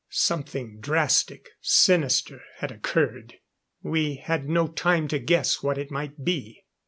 Something drastic, sinister, had occurred. We had no time to guess what it might be.